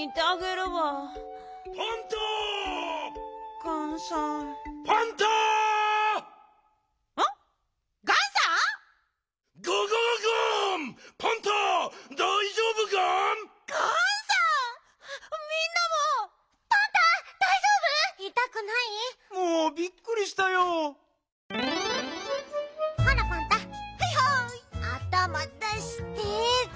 あたま出して。